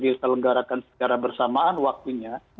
akan mengelenggarakan secara bersamaan waktunya